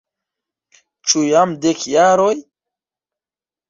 Ĉu jam dek jaroj?